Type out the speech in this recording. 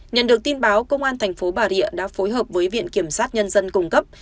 nhận được tin báo công an thành phố bà rịa đã phối hợp với viện kiểm sát nhân dân cung cấp